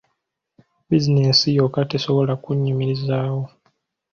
Bizinensi yokka tesobola kunnyimirizaawo.